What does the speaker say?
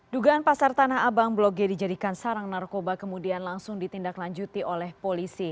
dugaan pasar tanah abang blok g dijadikan sarang narkoba kemudian langsung ditindaklanjuti oleh polisi